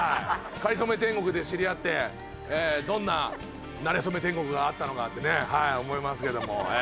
『かりそめ天国』で知り合ってどんななれそめ天国があったのかってね思いますけども。